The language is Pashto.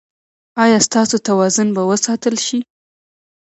ایا ستاسو توازن به وساتل شي؟